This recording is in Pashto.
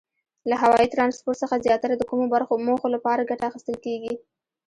له هوایي ترانسپورت څخه زیاتره د کومو موخو لپاره ګټه اخیستل کیږي؟